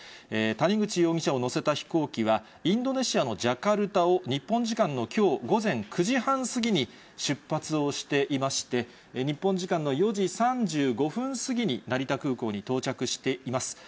谷口容疑者を乗せた飛行機は、インドネシアのジャカルタを日本時間のきょう午前９時半過ぎに出発をしていまして、日本時間の４時３５分過ぎに、成田空港に到着しています。